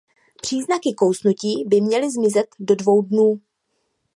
Příznaky kousnutí by měly zmizet do dvou dnů.